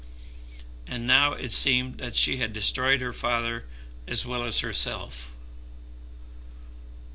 And now it seemed that she had destroyed her father as well as herself!